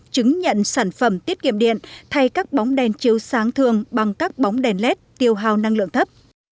chứng nhận sản phẩm tiết kiệm điện thay các bóng đèn chiếu sáng thường bằng các bóng đèn led tiêu hào năng lượng thấp